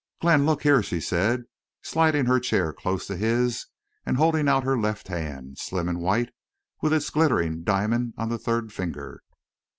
"Glenn, look here," she said, sliding her chair close to his and holding out her left hand, slim and white, with its glittering diamond on the third finger.